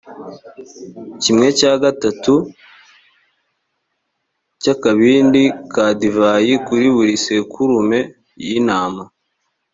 kimwe cya gatatu cy’akabindi ka divayi kuri buri sekurume y’intama